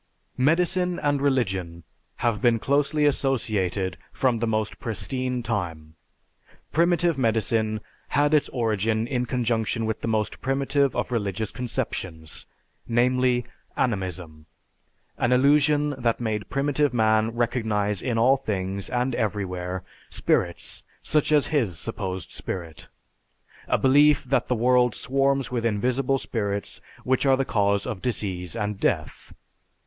Medicine and religion have been closely associated from the most pristine time. Primitive medicine had its origin in conjunction with the most primitive of religious conceptions, namely, animism; an illusion that made primitive man recognize in all things, and everywhere, spirits such as his supposed spirit; a belief that the world swarms with invisible spirits which are the cause of disease and death.